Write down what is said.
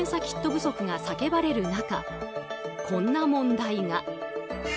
キット不足が叫ばれる中こんな問題が。